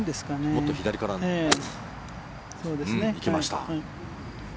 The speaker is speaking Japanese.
もっと左から行きました。